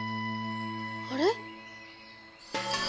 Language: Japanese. あれ？